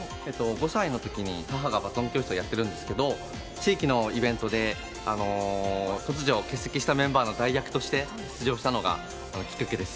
５歳の時に母がバトン教室をやっているんですけど地域のイベントで突如欠席したメンバーの代役として出場したのがきっかけです。